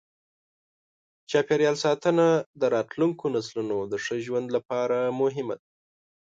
چاپېریال ساتنه د راتلونکو نسلونو د ښه ژوند لپاره مهمه ده.